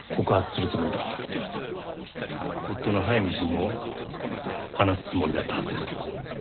夫の早見氏にも話すつもりだったはずです。